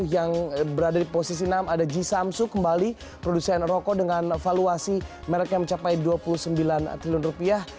yang berada di posisi enam ada g samsu kembali produsen rokok dengan valuasi mereknya mencapai dua puluh sembilan triliun rupiah